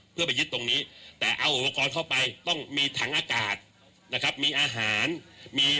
เพื่อไปยึดตรงนี้แต่เอาอุปกรณ์เข้าไปต้องมีถังอากาศนะครับมีอาหารมี